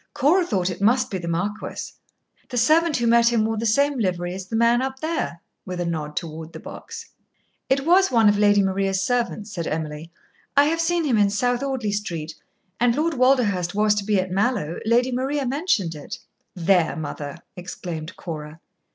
"Cora thought it must be the marquis. The servant who met him wore the same livery as the man up there" with a nod toward the box. "It was one of Lady Maria's servants," said Emily; "I have seen him in South Audley Street. And Lord Walderhurst was to be at Mallowe. Lady Maria mentioned it." "There, mother!" exclaimed Cora.